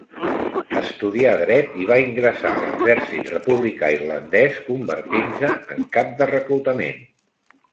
Estudià Dret i va ingressar a l'Exèrcit Republicà Irlandès, convertint-se en cap de reclutament.